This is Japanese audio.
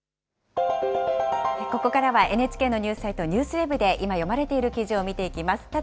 ここからは、ＮＨＫのニュースサイト、ＮＥＷＳＷＥＢで今読まれている記事を見ていきます。